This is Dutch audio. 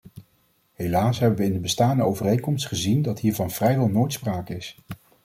Helaas hebben we in de bestaande overeenkomst gezien dat hiervan vrijwel nooit sprake is.